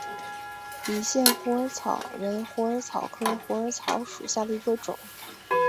理县虎耳草为虎耳草科虎耳草属下的一个种。